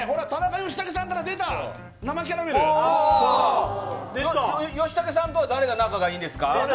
よしたけさんとは誰が仲がいいんですか？